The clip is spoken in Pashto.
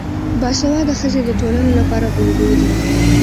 باسواده ښځې د ټولنې لپاره الګو دي.